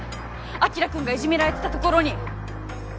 晶くんがいじめられてたところに。